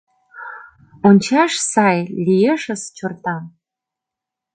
Ончаш сай — лиешыс «чортан».